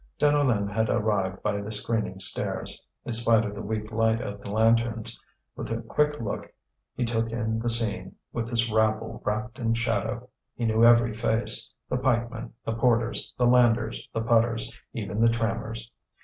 Deneulin had arrived by the screening stairs. In spite of the weak light of the lanterns, with a quick look he took in the scene, with this rabble wrapt in shadow; he knew every face the pikemen, the porters, the landers, the putters, even the trammers.